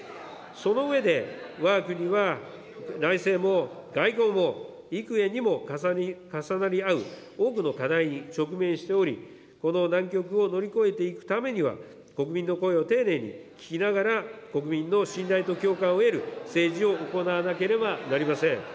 その上で、わが国は内政も外交も幾重にも重なり合う多くの課題に直面しており、この難局を乗り越えていくためには、国民の声を丁寧に聞きながら、国民の信頼と共感を得る政治を行わなければなりません。